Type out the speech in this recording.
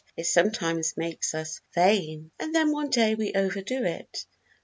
It sometimes makes us vain, and then one day we overdo it.